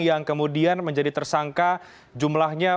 yang kemudian menjadi tersangka jumlahnya